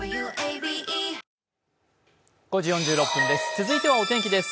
続いてはお天気です。